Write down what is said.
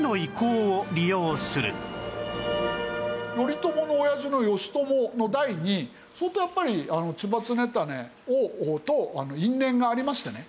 頼朝の親父の義朝の代に相当やっぱり千葉常胤と因縁がありましてね